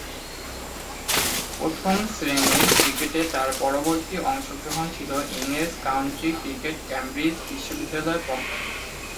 প্রথম-শ্রেণীর ক্রিকেটে তার পরবর্তী অংশগ্রহণ ছিল ইংরেজ কাউন্টি ক্রিকেটে ক্যামব্রিজ বিশ্ববিদ্যালয়ের পক্ষে।